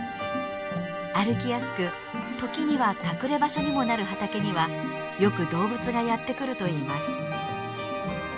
歩きやすく時には隠れ場所にもなる畑にはよく動物がやって来るといいます。